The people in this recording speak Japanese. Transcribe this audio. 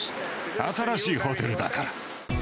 新しいホテルだから。